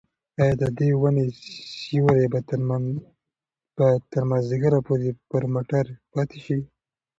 ایا د دې ونې سیوری به تر مازدیګره پورې پر موټر پاتې شي؟